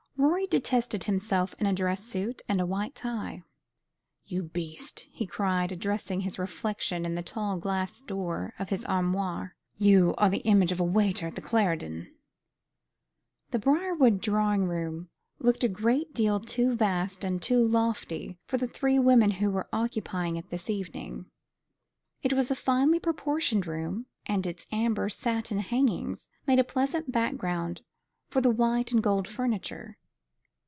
Rorie detested himself in a dress suit and a white tie. "You beast," he cried, addressing his reflection in the tall glass door of his armoire, "you are the image of a waiter at The Clarendon." The Briarwood drawing room looked a great deal too vast and too lofty for the three women who were occupying it this evening. It was a finely proportioned room, and its amber satin hangings made a pleasing background for the white and gold furniture.